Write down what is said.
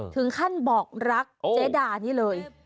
ถึงขั้นบอกรักเจดานี่เลย